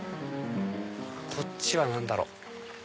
こっちは何だろう？